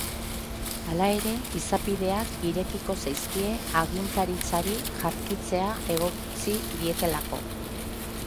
Hala ere, izapideak irekiko zaizkie agintaritzari jarkitzea egotzi dietelako.